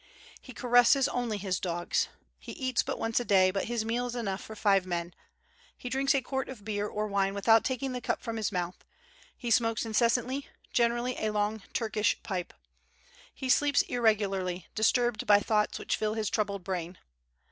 He caresses only his dogs. He eats but once a day, but his meal is enough for five men; he drinks a quart of beer or wine without taking the cup from his mouth; he smokes incessantly, generally a long Turkish pipe. He sleeps irregularly, disturbed by thoughts which fill his troubled brain.